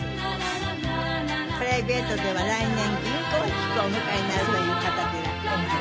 プライベートでは来年銀婚式をお迎えになるという方でいらして。